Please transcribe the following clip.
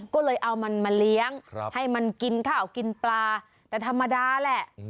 ก็เลยเอามันมาเลี้ยงให้มันกินข้าวกินปลาแต่ธรรมดาแหละ